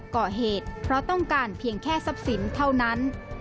ก่อเหตุเพราะต้องการเพียงแค่ทรัพย์สินเท่านั้น